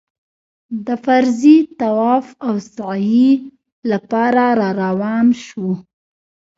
د فرضي طواف او سعيې لپاره راروان شوو.